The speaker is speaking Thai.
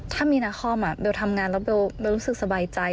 ถ้ามีนาคอมเบลทำงานแล้วเบลรู้สึกสบายใจ